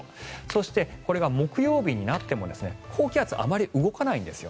そして、これが木曜日になっても高気圧はあまり動かないんです。